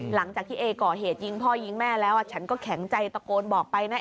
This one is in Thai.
หลังจากที่เอก่อเหตุยิงพ่อยิงแม่แล้วฉันก็แข็งใจตะโกนบอกไปนะ